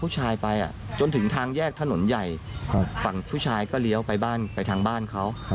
จนถึงทางแยกถนนใหญ่ฝั่งผู้ชายก็เรียวไปทางบ้านเขา